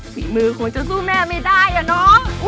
ฝีมือคงจะสู้แม่ไม่ได้อะเนาะ